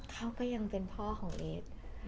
เขาก็ยังเป็นพ่อของเอส